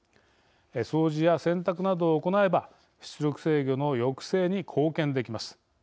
掃除や洗濯などを行えば出力制御の抑制に貢献できます。